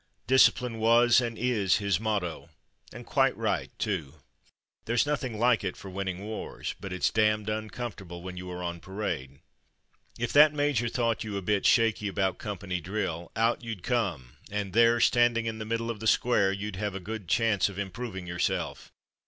Discipline was, and is, his motto, and quite right, too. There's nothing like it for win ning wars; but its damned uncomfortable when you are on parade. It that major thought you a bit shaky about company drill, out you'd come; and there, standing in the middle of the square, you'd have a good chance of improving yourself.